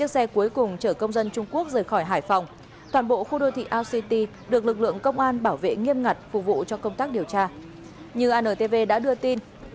xin chào và hẹn gặp lại